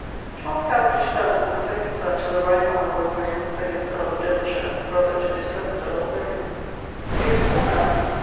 Charles Cavendish, colonel, was second son to the right honourable earle of Devonshire, brother to this present earle, William. He was borne at